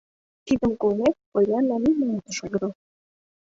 Тидым колмек, Поллианна нимаят ыш ойгыро.